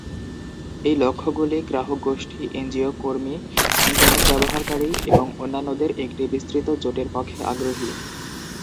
এই লক্ষ্যগুলি গ্রাহক গোষ্ঠী, এনজিও, কর্মী, ইন্টারনেট ব্যবহারকারী এবং অন্যান্যদের একটি বিস্তৃত জোটের পক্ষে আগ্রহী।